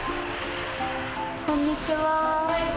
こんにちは。